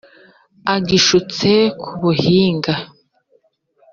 agishutse ku buhiga.